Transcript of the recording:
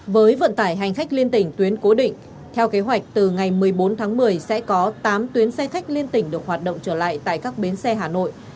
với vận tải hành khách liên tỉnh tuyến cố định theo kế hoạch từ ngày một mươi bốn tháng một mươi sẽ có tám tuyến xe khách liên tỉnh được hoạt động trở lại tại các bến xe hà nội